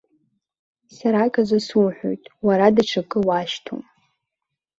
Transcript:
Сара аказы суҳәоит, уара даҽакы уашьҭоуп.